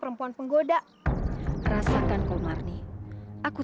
perempuan penggoda rasakan kau marni aku